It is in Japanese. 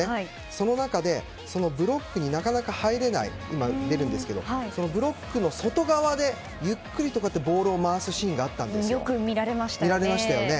その中で、ブロックになかなか入れないブロックの外側でゆっくりとボールを回すシーンがよく見られましたよね。